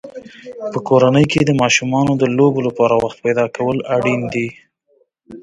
په کورنۍ کې د ماشومانو د لوبو لپاره وخت پیدا کول اړین دي.